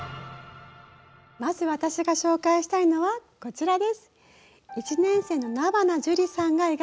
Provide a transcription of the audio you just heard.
まず私が紹介したいのはこちらです。